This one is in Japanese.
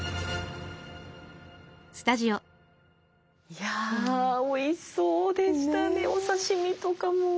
いやおいしそうでしたねお刺身とかも。